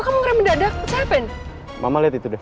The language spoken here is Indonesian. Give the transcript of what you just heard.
mama liat itu deh